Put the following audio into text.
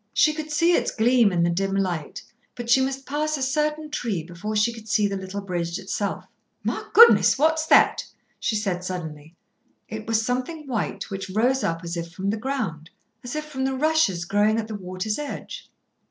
She could see its gleam in the dim light, but she must pass a certain tree before she could see the little bridge itself. "My goodness! What's that?" she said suddenly. It was something white, which rose up as if from the ground, as if from the rushes growing at the water's edge.